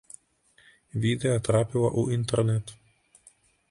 Відэа трапіла ў інтэрнэт.